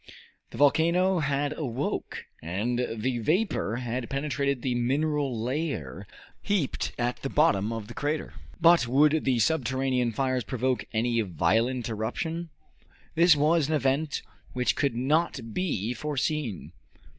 The volcano had awoke, and the vapor had penetrated the mineral layer heaped at the bottom of the crater. But would the subterranean fires provoke any violent eruption? This was an event which could not be foreseen.